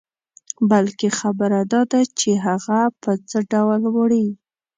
بلکې خبره داده چې هغه په څه ډول وړې.